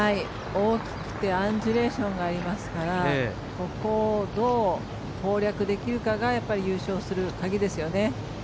大きくてアンジュレーションがありますからここをどう攻略できるかが優勝する鍵ですよね。